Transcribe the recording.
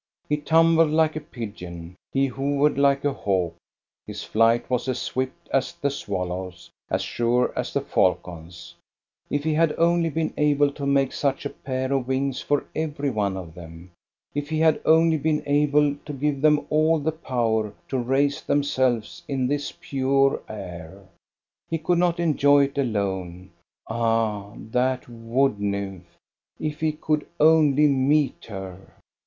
He tumbled like a pigeon, he hovered like a hawk, his flight was as swift as the swallow's, as sure as the falcon's. If 422 THE STORY OF GOSTA BERLING he had only been able to make such a pair of wings for every one of them ! If he had only been able to give them all the power to raise themselves in this pure air! He could not enjoy it alone. Ah, that wood nymph, — if he could only meet her